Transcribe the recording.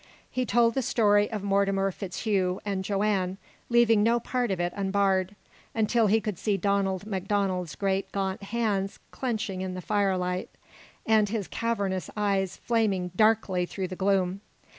He told the story of Mortimer FitzHugh and Joanne, leaving no part of it unbared, until he could see Donald MacDonald's great gaunt hands clenching in the firelight, and his cavernous eyes flaming darkly through the gloom.